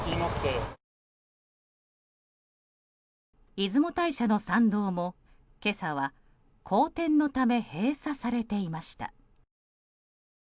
出雲大社の参道も、今朝は荒天のため閉鎖されていました。